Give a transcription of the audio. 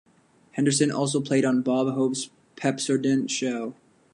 Henderson also played on Bob Hope's "Pepsodent Show".